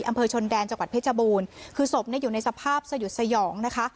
อำเภอชนแดนจังหวัดเพชรบูรณ์คือศพเนี่ยอยู่ในสภาพสยดสยองนะคะ